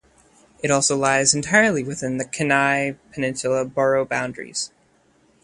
It also lies entirely within the Kenai Peninsula Borough boundaries.